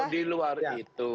oh di luar itu